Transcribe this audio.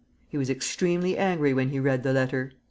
He was extremely angry when he read the letter.